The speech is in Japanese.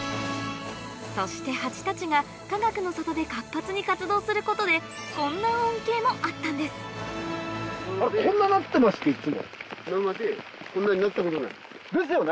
そしてハチたちがかがくの里で活発に活動することでこんな恩恵もあったんです今まで。ですよね！